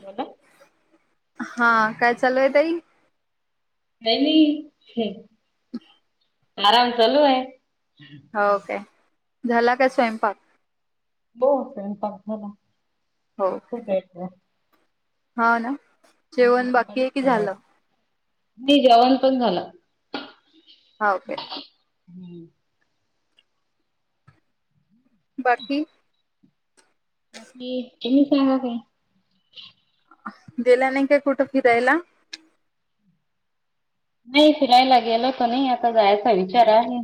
बोला, हा, काय चालू आहे ताई? काई नाई, आराम चालू आहे. हम्म, हो हम् काय झाला काय स्वयंपाक? ब फे पाला हो खूप भेट आहे. हा, ना जेवण बाकी आहे की केला झालं? होता. नाही, जेवण पण झालं. ओके, बाकी? बाकीकी तुम्ही सांगा काय? गेला नाही काय कुठं फिरायला? नाही, फिरायला गेलत र् नाही आता जायचा विचार आहे.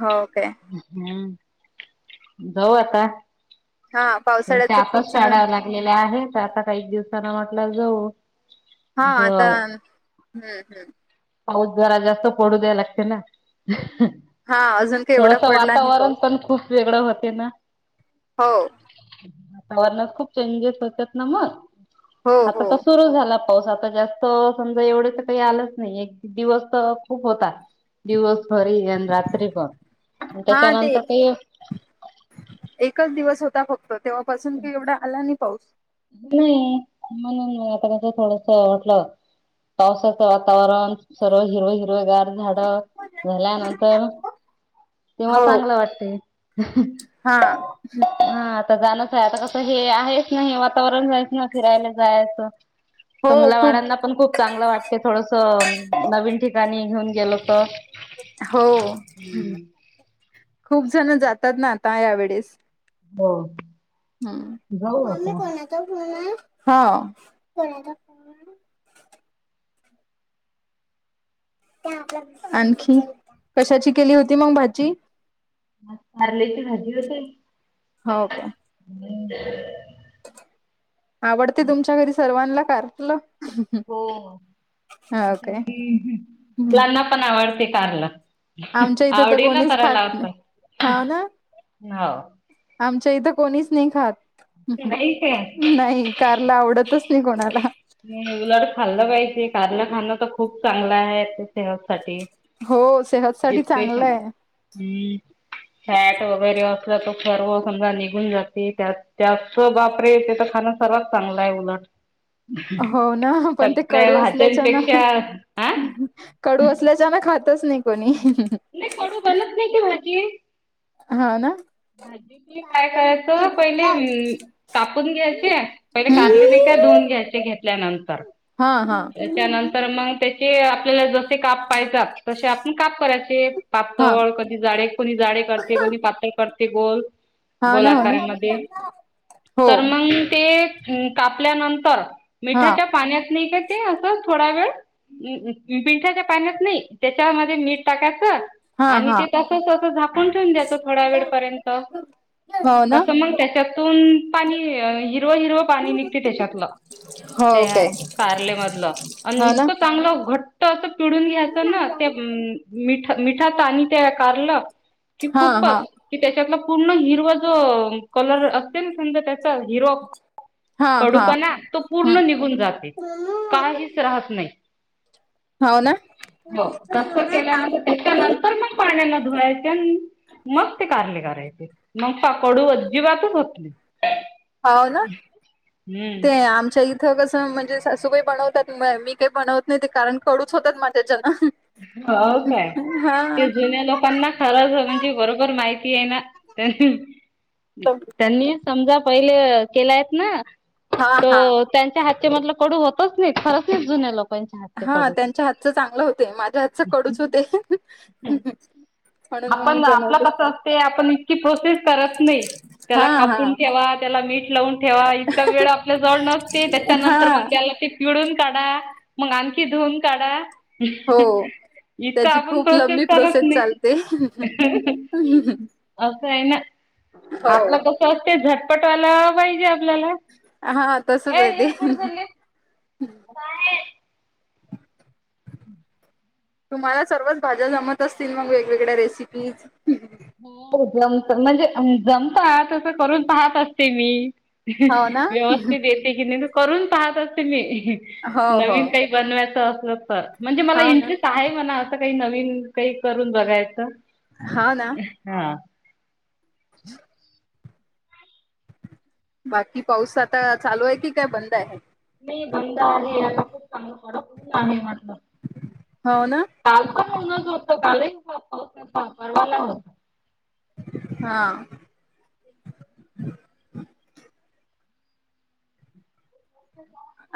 हो काय हम्म, जाऊ आता. हा म्हे पावसाळ्याच आताच खूप जण शाडा लागलेल्या आहे,, तर आता काही दिवसाना म्हटल्या जाऊ. हा, आता, असं हम्म, हम्म पाऊस जरा जास्त पडू द्याय लागते नाऽ हा अजून काही एवढा थोडस पडला नाही वातावरण पाऊस पण खूप वेगळं होते नाऽ हो, वातावरणात खूप चेंजेस होतात ना मग,, हो आता हो त सुरू झालाऽ पाऊस, आता जास्त समजा एवढेच काही आलंच नाही, एक दिवस तर खूप होतातऽ दिवसभरीन, रात्रीभर आणि हा ते त्याच्यानंतर काहीऽ एकच, ऽ फक्त, तेव्हापासून की एवढा आला नाही पाऊस. नाही, म्हणून आता कस थोडस वाटलं. पावसाचं वातावरण, सर्व हिरव हिरवगार झाल त झाल्या नंतर. तेव्हा हो चांगलं वाटते हा हा. जाणच आहे, आता कसं हे आहेच नाही वातावरण जायच ना, फिरायला जायचं. तर हो खूप मुलाबाळांना पण खूप चांगलं वाटते थोडंसं, नवीन ठीक.. काणी घेऊन गेलो तर. हो हम्म. खूप जण जातात ना, आता यावेेळेस. हो. हं, जाऊ मम्मी आता कोणाचा फोन आहे. [unintelligible] हां. [unintelligible] [unintelligible] आणखी, कशाची केली होती मंग भाजी? आज कारल्याची भाजी होते. हो काय? बंद [unintelligible] आवडते तुमच्या घरी सर्वांना कारलं? हो, हो काय मुलांना पण आवडते कारलं. [unintelligible] आमच्या इथे तर कोणीच खात नाही. हाव ना, हो. आम इथे कोणीच नाही खात, नाही काय. नाही कारलं आवडतच नाही कोणाला. उलट खाल्लं पाहिजे, कारलं खाणं तर खूप चांगलं आहे. सेहत साठी हो सेहत अं साठी चांगलं [unintelligible] आहे फॅट वगैर. सर्व समजा निघून जाते. त्यात त्याचं बापरे त्याचं खाणं सर्वात चांगलं आहे उलट. हो ना, पण ते सगळ्या कडू असल्याच्या ना, भाज्यांपेक्षा हा कडू असल्याच्यान खात.. तच नाही कोणी. नाही कडु बनत नाही ती भाजी. हं ना? भाजी च काय करायचं, पहिले हे कापून घ्यायचे. पहिले कारले, धुन घ्यायचे घेतल्यानंतर, हा हा त्याच्यानंतर, मग त्याचे आपल्या जमेल ते काप पाहिजात तसे आपण काप करायचे हा पातळ, कधी जाडे. कोणी जाडे, करते कोणी पातळ करते. ते गोल हा गोल ना हो ना आकारांमध्ये, हो तर मंग ते हम्म कापल्यानंतर, हा मिठाच्या पाण्यात नाही का तेअसं थोडा वेळ [unintelligible] मिठाच्या पाण्यात नाही, त्याच्या मध्ये मीठ टाकायचं. हा आणि हा ते तसं, तसं झाकून ठेवून दयाचं थोड्या वेळपर्यंत. हो ना कसं मग त्याच्यातून पाणी हिरवं, हिरवं पाणी निघते त्याच्यातलं. हो त्या काय कार्ले मधलं आणि हो ना इतकं चांगलं घट्ट असं पिळुन घ्यायचं ना, ते मिठात आणि ते कारलं. कि हा हा खूपचं की त्याच्यात पूर्ण हिरवा जो कलर असते ना, समजा त्यात हिरोप हा हा कडूपणा तो हम्म पूर्ण निघून, जाते काहीच राहत नाही. हो ना हो तसं केल्यानंतर त्याच्या नंतर मग पाण्यान धुवायचन आणि मग ते कारले करायचे, मग [unintelligible] पाह कडू अजिबातच होत नाही. हव ना, ते हम्म आमच्या इथ कसं.. त म्हणजे सासू बाई बनवतात म मी काही बनवत नाही कारण कडूच होतात माझ्याच्यानं, हव काय ते जुन्या लोकांना खरंच म्हणजे बरोबर माहित.. की हे ना त्यांनी समजा पहिले केलयत ना, हा हा हा हम्म त्यांच्या हातच्या म्हतलं कडू, होतंच नाही खरंच नाही जुन्या लोक हां त्यांच्या हातचं चांगलं होते, माझ्या हातच कडूच होते.. हं [unintelligible] म्हणून मग मी आपण आपलं बनवते कसं असते, आपण इतकी प्रोसेस करत नाही हा त्याला हा कापून ठेवा त्या त्याला मीठ लावून ठेवा इतका वेळ आपल्या जवळ नसते हा त्याच्यानंतर मग त्याला ते.. पिळुन काढा मग आणखी धुन काढा हो इतकं त्याची आपण.. खूप प्रोसेस लंबी करत नाही. चालते असं आहे ना? हो आपलं कसं असते झटपटवाला पाहिजे.. आपल्याला... हा तसच ऐ, आहे ऐ ते कुठं चालली? बाहेर. तुम्हाला सर्वच भाज्या जमत असतील मग वेगवेगळ्या रेसिपीज बर जमत म्हणजे जमता तस करून पाहत असते मी हो ना. व्यवस्थित येते की नाही ते करून पाहत असते मी हो हो नवीन काही बनवायच अस तर म्हणजे मला हाव ना इंटरेस्ट आहे म्हणा अस काही नवीन काही करून बघायचं हाव ना हा ह बाकी पाऊस आता चालू आहे कि काय बंद आहे नाही बंद आहे आता खूप चांगला थोडा हो ना. काल पण उनच होत काल हो परवाला होत हा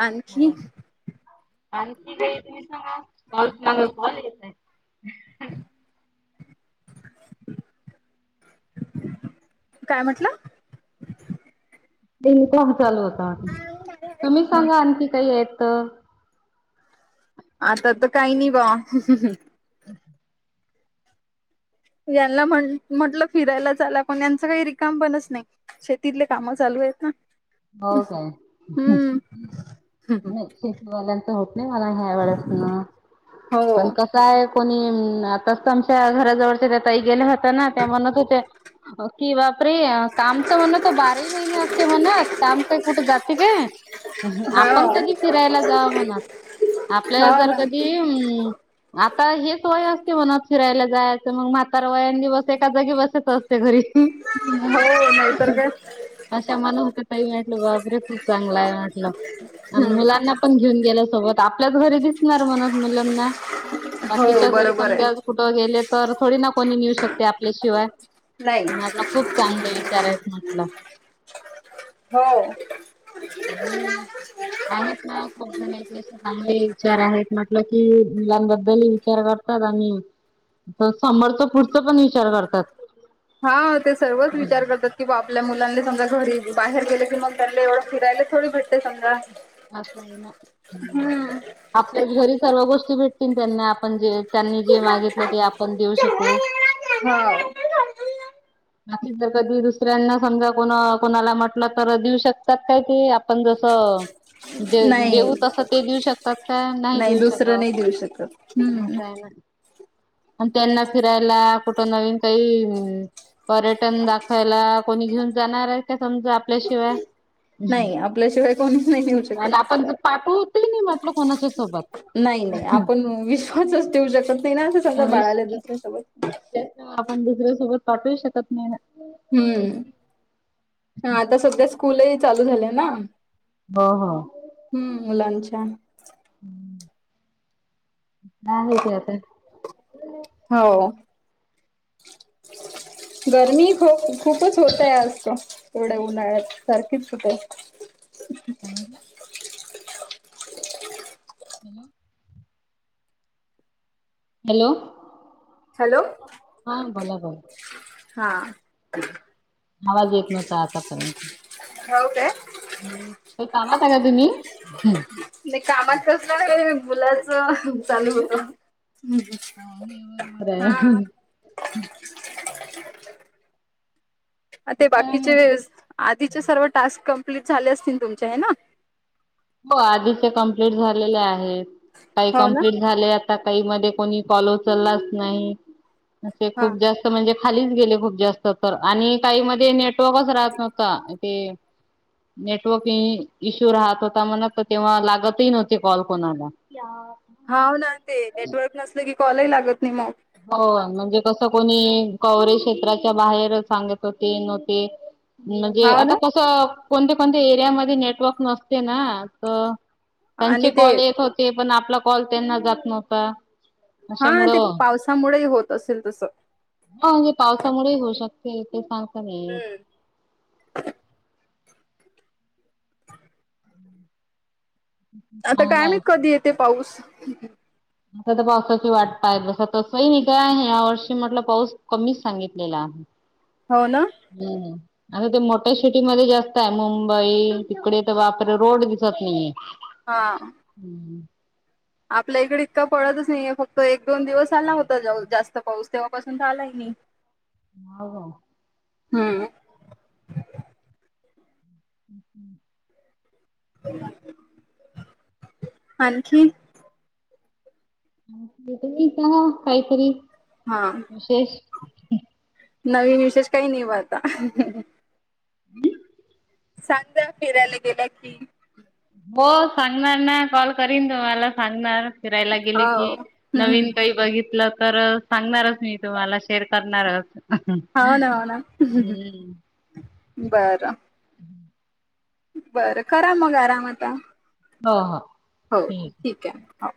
आणखी आणखी तुम्ही सांगा कॉल कॉल येतय [inaudible] काय म्हटलं ते चालू होता आता तुम्ही ह सांगा आणखी काही आहेत आता तर काही नाही बा ह [unintelligible] यांना म्ह म्हटलं फिरायला चाला पण यांच काही रिकाम पणच नाही शेतीतले कामं चालू का हो काय नाही शेतीवाल्यांच होत नाही मला ह्यावळेच ना पण हो कस आहे कोणी आताच आमच्या घराजवळच्या ताई गेल्या हो ना त्या म्हणत होते कि बाप रे काम तर म्हणतत बाराही महिने असते म्हणत काम काय कुठे जाते काय हा आपण कधी फिरायला जाव म्हणात आपल्याला हा जर ना कधी अम् आता हेच वय असत मनात फिरायला जायचं मग म्हातारा वयां बस एका जागी बसत अस घरी हो नाहीतर काय. अशा म्हणत होत म्हने खूप चांगल आहे म्हणलं हम्म मुलांना पणे आपल्याच घरी दिसणार म्हणत मुलाना हो बाकीच्या घरी बरोबर आहे. समजा कुठं गेले तर थोडी ना कोणी नेऊ शकते आपल्याशिवाय नाही मला खूप चांगले विचार आहेत म्हटलं हो हम्म आणि ना खूप जण अस चांगले विचार विचार आहेत म्हटलं कि मुलांबद्दलही विचार करतात आणि तर समोरच पुढचा पण विचार करतात हा ते सर्वच विचार करतात की बा आपल्या मुलांना समजा घरी बाहेर गेले की मग त्याला एवढं फिरायला थोडी भेटते समजा असं नाही आपल्या घरी सर्व गोष्टी भेटतील त्यांना आपण जे त्यांनी जे मागितलं हा ते आपण देऊ शकू बाकी जर कधी दुसऱ्यांना समजा कोण कोणाला म्हटलं तर देऊ शकतात काय ते आपण जसं नाही देऊ तस ते देऊ शकतात का नाही देऊ दुसरं नाही शकत देऊ हम्म असं आहे ना आणि त्यांना फिरायला कुठं नवीन काही अ पर्यटन दाखवायला कोणी घेऊन जाणार आहे का समजा आपल्याशिवाय नाही आपल्याशिवाय कोणी आणि आपण पाठवत हि नाही म्हटलं कोणाच्या सोबत नाही नाही आपण विश्वासच ठेवू शकत नाही ना असं समजा बाळाल्या दुसऱ्यांसोबत आपण दुसऱ्यासोबत पाठवू शकत नाही हम्म हा आता सध्या स्कूलही चालू झाल्याना? हो हो हम्म लंच आहे. नाही ते आता हो गरमी खूप खूपच होतय आज त एवढ्या उन्हाळ्यात सारखीच होतय [unintelligible] हो मग? हॅलो हॅलो हा बोला बोला. हा आवाज येत नव्हता आतापर्यंत. हो काय काही कामात आहे का तुम्ही? नाही कामात कसलंय मुलाचं चालू होत बरोबर ह आहे. हा [unintelligible] आ ते बाकीचे आधीचे सर्व टास्क कंप्लीट झाले असतील तुमचे है ना? हो आधीचे कंप्लीट झालेले आहेत काही हो ना कंप्लीट झाले आता काही मधे कोणी कॉल उचललाच नाही. अशे हा खूप जास्त म्हणजे खालीच गेले खूप जास्त तर आणि काही मध्ये नेटवर्कच राहत नव्हता ते नेटवर्क इश्यू राहत हो आता मनं तेव्हा लागतही नव्हते कॉल कोणाला हावं ना ते नेटवर्क नसलं की कॉलही लागत नाही मग हो म्हणजे कसं कोणी कव्हरेज क्षेत्राच्या बाहेर सांगत होते नोते म्हणजे हाव ना आता कसं कोणत्या कोणत्या एरियामध्ये नेटवर्क नसते ना. तं आणि त्यांचे ते कॉल येत होते पण आपला कॉल त्यांना जात नव्हता. हा ते अशामुळं पावसामुळे होत असेल तसं. ते ते सांगता नाही येत. हम्म आता चांगलं काय आहे. माहित कधी येते पाऊस? आता तर पावसाची वाट पाहत बसा तसंही न काय आहे या वर्षी म्हटलं पाऊस कमीच सांगितलेला आहे. हो ना हम्म आता ते मोठ्या सिटीमध्ये जास्त आहे मुंबई तिकडे तर बापरे रोड दिसत नाहीये. हा हं हं आपल्या इकडे इतका पडतच नाहीे फक्त एक दोन दिवस आला होता जास्त पाऊस तेव्हापासून तर आलाही नाही. [inaudible] हो हम्म [unintelligible] आणखी? तु्म्ही [unintelligible] काहीतरी हा विशेष नवीन विशेष काही ब आता. [unintelligible] सांगजा फिरायला गेल्या की. हो सांगणार ना कॉल करीन तुम्हाला सांगणार. फिरायला गेले हो की हम्म नवीन काही बघितलं तर सांगणारच मी तुम्हाला शेअर करणारच. हो ना हो ना हम्म. बरं बरं करा मग आराम आता. हा हा ठीके. हा